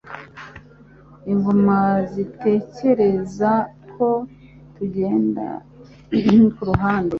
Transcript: Ingona zitekereza ko tugenda kuruhande?